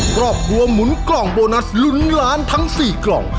ครอบครัวหมุนกล่องโบนัสลุ้นล้านทั้ง๔กล่อง